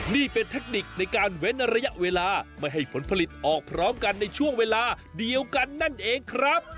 นี่เป็นเทคนิคในการเว้นระยะเวลาไม่ให้ผลผลิตออกพร้อมกันในช่วงเวลาเดียวกันนั่นเองครับ